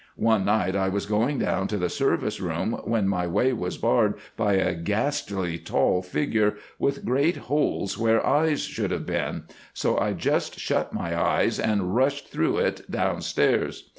One night I was going down to the service room when my way was barred by a ghastly, tall figure, with great holes where eyes should have been, so I just shut my eyes and rushed through it downstairs.